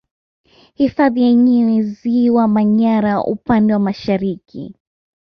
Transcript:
Hifadhi yenyewe Ziwa Manyara upande wa Mashariki